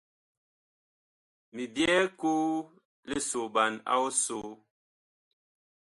Mi byɛɛ koo lisoɓan a ɔsoo.